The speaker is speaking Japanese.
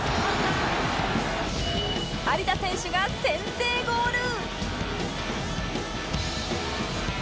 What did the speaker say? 有田選手が先制ゴール！